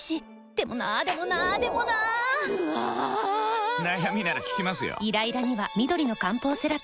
でもなーでもなーでもなーぬあぁぁぁー！！！悩みなら聞きますよ。